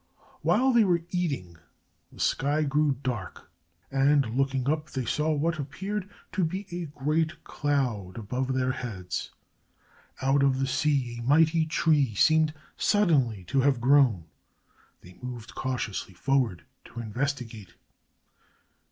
While they were eating, the sky grew dark, and looking up they saw what appeared to be a great cloud above their heads. Out of the sea a mighty tree seemed suddenly to have grown. They moved cautiously forward to investigate.